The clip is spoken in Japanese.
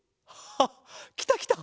あっきたきた！